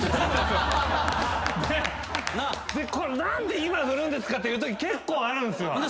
何で今振るんですか⁉っていうとき結構あるんですよ。